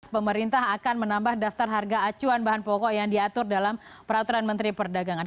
pemerintah akan menambah daftar harga acuan bahan pokok yang diatur dalam peraturan menteri perdagangan